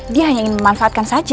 dia hanya ingin memanfaatkan saja